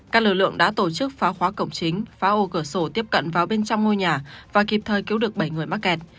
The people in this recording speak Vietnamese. các lực lượng đã tổ chức phá khóa cổng chính phá ô cửa sổ tiếp cận vào bên trong ngôi nhà và kịp thời cứu được bảy người mắc kẹt